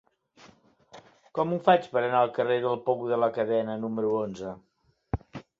Com ho faig per anar al carrer del Pou de la Cadena número onze?